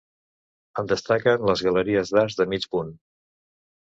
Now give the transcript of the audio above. En destaquen les galeries d'arcs de mig punt.